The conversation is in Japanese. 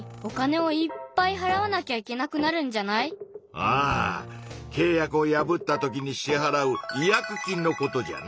ああけい約を破ったときに支はらう「違約金」のことじゃな。